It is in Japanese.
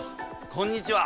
こんにちは！